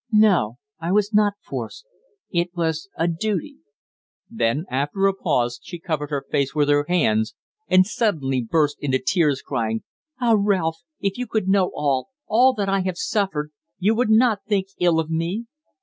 "No; I was not forced. It was a duty." Then, after a pause, she covered her face with her hands and suddenly burst into tears, crying, "Ah, Ralph! If you could know all all that I have suffered, you would not think ill of me!